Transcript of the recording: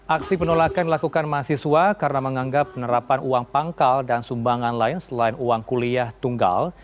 aksi penolakan dilakukan mahasiswa karena menganggap penerapan uang pangkal dan sumbangan lain selain uang kuliah tunggal